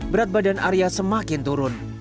berat badan arya semakin turun